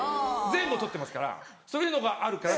全部を取ってますからそういうのがあるから。